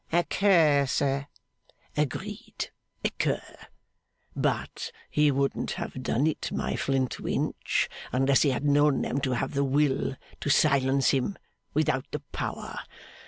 'A cur, sir.' 'Agreed! A cur. But he wouldn't have done it, my Flintwinch, unless he had known them to have the will to silence him, without the power.